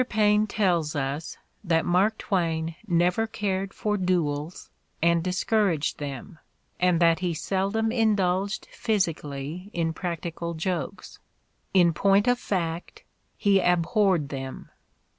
Paine tells us that Mark Twain never "cared for" duels and "discouraged" them, and that he "seldom indulged physically" in practical jokes. In point of fact, he abhorred them.